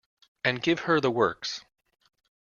And give her the works.